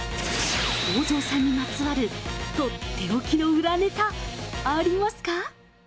公造さんにまつわる取って置きの裏ネタ、ありますか？